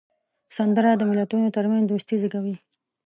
سندره د ملتونو ترمنځ دوستي زیږوي